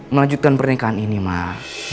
melanjutkan pernikahan ini mah